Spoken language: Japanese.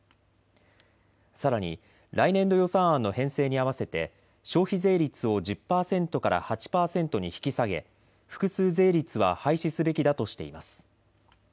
さらに来年度予算案の編成にあわせて消費税率を１０％から８％に引き下げ複数税率は廃止すべきだとしています。